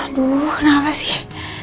aduh kenapa sih